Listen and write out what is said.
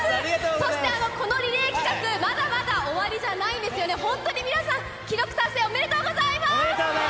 そして、このリレー企画、まだまだ終わりじゃないんですよね、本当に皆さん、記録達成、おめでとうございます。